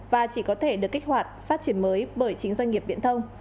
và chỉ có thể được kích hoạt phát triển mới bởi chính doanh nghiệp viễn thông